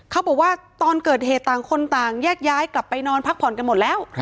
เขาบอกว่าตอนเกิดเหตุต่างคนต่างแยกย้ายกลับไปนอนพักผ่อนกันหมดแล้ว